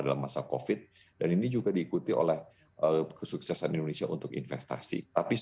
dalam masa covid dan ini juga diikuti oleh kesuksesan indonesia untuk investasi tapi